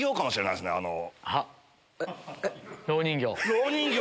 ろう人形？